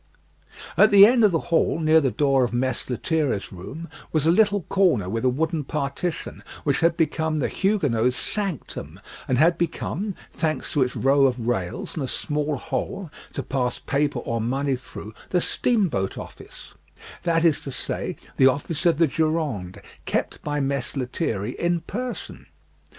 At the end of the hall, near the door of Mess Lethierry's room, was a little corner with a wooden partition, which had been the Huguenot's sanctum, and had become, thanks to its row of rails and a small hole to pass paper or money through, the steamboat office; that is to say, the office of the Durande, kept by Mess Lethierry in person.